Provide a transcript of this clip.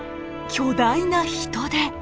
巨大なヒトデ！